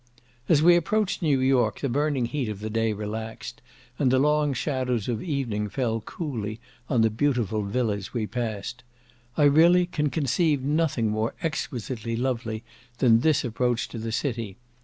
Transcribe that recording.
As we approached New York the burning heat of the day relaxed, and the long shadows of evening fell coolly on the beautiful villas we passed. I really can conceive nothing more exquisitely lovely than this approach to the city.